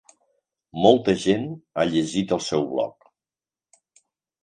Molta gent ha llegit el seu bloc.